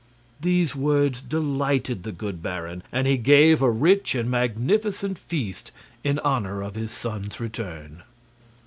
These words delighted the good baron, and he gave a rich and magnificent feast in honor of his son's return.